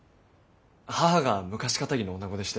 母が昔かたぎの女子でして。